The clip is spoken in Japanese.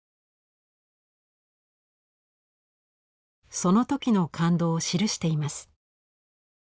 その時の感動を記しています。